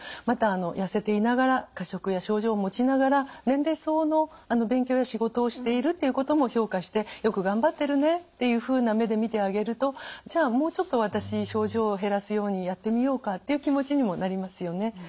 また痩せていながら過食や症状を持ちながら年齢相応の勉強や仕事をしているっていうことも評価してよく頑張ってるねっていうふうな目で見てあげるとじゃあもうちょっと私症状を減らすようにやってみようかっていう気持ちにもなりますよね。